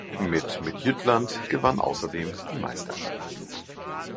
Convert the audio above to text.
Mit Midtjylland gewann außerdem die Meisterschaft.